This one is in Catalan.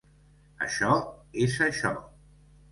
Això és això.